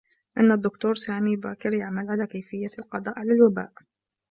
إنّ الدّكتور سامي باكر يعمل على كيفيّة القضاء على الوباء.